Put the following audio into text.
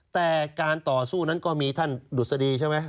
แต่การต่อสู้นั้นก็มีท่านดุษฎีใช่ไหม